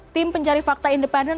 tim pencari fakta independen